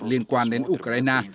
liên quan đến ukraine